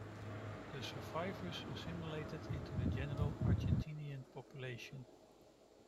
The survivors assimilated into the general Argentinian population.